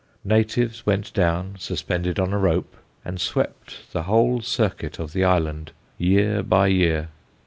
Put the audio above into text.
Natives went down, suspended on a rope, and swept the whole circuit of the island, year by year.